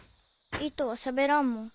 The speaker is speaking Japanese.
糸はしゃべらんもん。